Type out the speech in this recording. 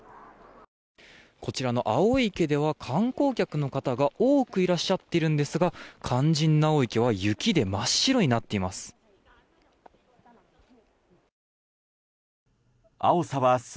こちらの青い池では観光客の方が多くいらっしゃっているんですが肝心な青い池は雪で真っ白になっています。